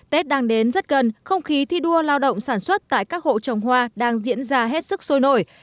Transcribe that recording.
tết đang đến rất gần không khí thi đua lao động sản xuất tại các hộ trồng hoa đang diễn ra hết sức sôi nổi